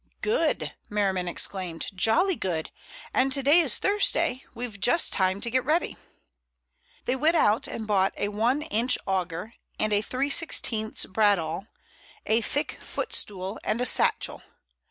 "Good!" Merriman exclaimed. "Jolly good! And today is Thursday. We've just time to get ready." They went out and bought a one inch auger and a three sixteenths bradawl, a thick footstool and a satchel.